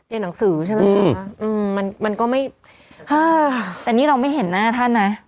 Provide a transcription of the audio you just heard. เห็นหนังสือใช่ไหมอืมอืมมันมันก็ไม่แต่นี่เราไม่เห็นหน้าท่านไง